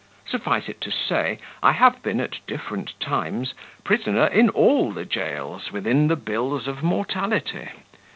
Suffice it to say, I have been, at different times, prisoner in all the jails within the bills of mortality.